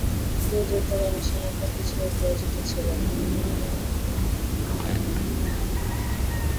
তিনি দ্রুতগামী সেনাপতি হিসেবে পরিচিত ছিলেন।